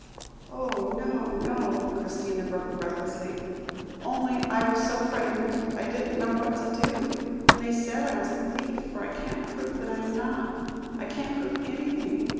"Oh! no, no," Christina spoke breathlessly; "only I was so frightened, I didn't know what to do, when they said I was a thief, for I can't prove that I am not. I can't prove anything.